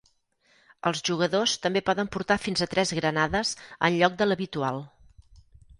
Els jugadors també poden portar fins a tres granades en lloc de l'habitual.